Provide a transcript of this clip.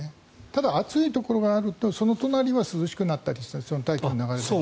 ただ、暑いところがあるとその隣は涼しくなったりして大気の流れで。